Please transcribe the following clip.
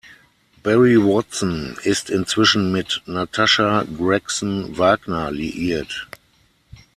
Barry Watson ist inzwischen mit Natasha Gregson Wagner liiert.